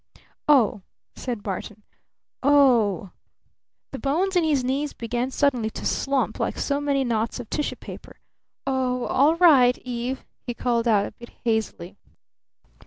"Oh," said Barton. "O h." The bones in his knees began suddenly to slump like so many knots of tissue paper. "Oh all right Eve!" he called out a bit hazily.